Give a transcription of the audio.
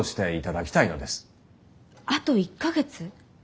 あと１か月？